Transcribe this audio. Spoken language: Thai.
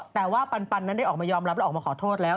แต่ว่าปันนั้นได้ออกมายอมรับและออกมาขอโทษแล้ว